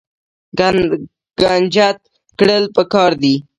کنجد کرل پکار دي.